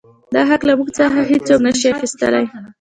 دا حـق لـه مـوږ څـخـه هـېڅوک نـه شـي اخيـستلى.